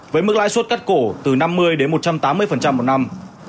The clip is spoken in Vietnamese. với mức lãi suất cắt cổ từ năm mươi đến một trăm tám mươi một năm